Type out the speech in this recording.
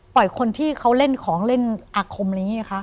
คนที่เขาเล่นของเล่นอาคมอะไรอย่างนี้ไงคะ